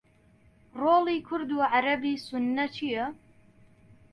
ڕۆڵی کورد و عەرەبی سوننە چییە؟